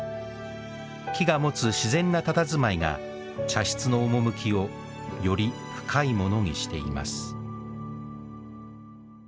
木が持つ自然のたたずまいが茶室の趣をより深いものにしています。